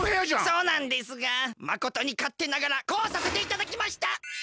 そうなんですがまことにかってながらこうさせていただきました！